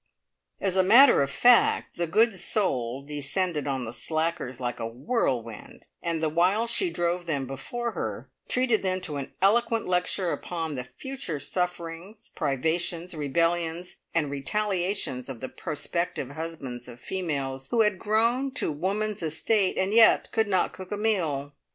As a matter of fact the good soul descended on the slackers like a whirlwind, and the while she drove them before her, treated them to an eloquent lecture upon the future sufferings, privations, rebellions, and retaliations of the prospective husbands of females who had grown to woman's estate, and yet could not cook a meal.